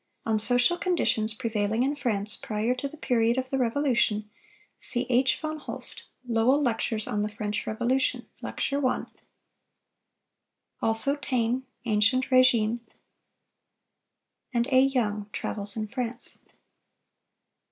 —On social conditions prevailing in France prior to the period of the Revolution, see H. von Holst, "Lowell Lectures on the French Revolution," lecture 1; also Taine, "Ancient Régime," and A. Young, "Travels in France."